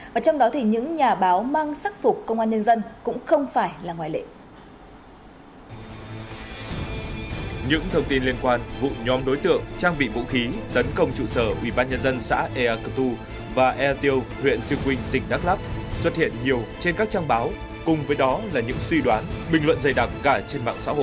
và trong đó thì những nhà báo mang sắc phục công an nhân dân cũng không phải là ngoại lệ